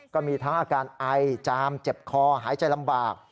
ก็มีทั้งอาการไอจามเจ็บคอหายใจลำบาก